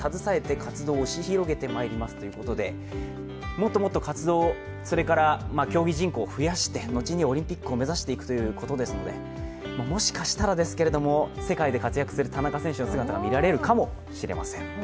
もっともっと活動、競技人口を増やして後にオリンピックを目指していくということですので、もしかしたらですけど世界で活躍する田中選手の姿が見られるかもしれません。